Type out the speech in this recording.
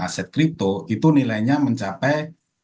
aset kripto itu nilainya mencapai delapan ratus